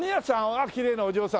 あっきれいなお嬢さん。